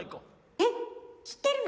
えっ知ってるの？